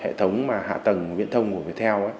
hệ thống mà hạ tầng viện thông ngồi với theo